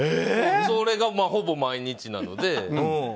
それがほぼ毎日なので。